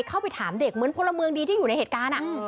เข้าไปถามเด็กเหมือนพลเมืองดีที่อยู่ในเหตุการณ์